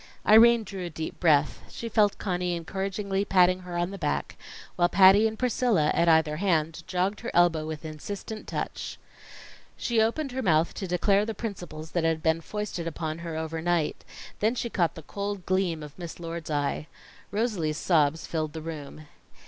Irene drew a deep breath she felt Conny encouragingly patting her on the back, while Patty and Priscilla, at either hand, jogged her elbow with insistent touch. She opened her mouth to declare the principles that had been foisted upon her over night; then she caught the cold gleam of Miss Lord's eye. Rosalie's sobs filled the room.